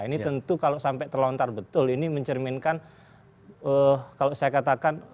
ini tentu kalau sampai terlontar betul ini mencerminkan kalau saya katakan